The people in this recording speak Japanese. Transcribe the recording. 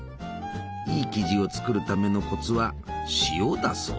いい生地を作るためのコツは塩だそうじゃ。